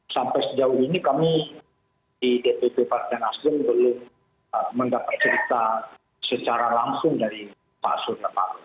sampai sejauh ini kami di dpp pak jokowi dan nasdem belum mendapat cerita secara langsung dari pak surya pak